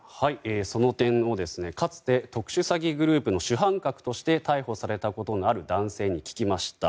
その点をかつて特殊詐欺グループの主犯格として逮捕されたことがある男性に聞きました。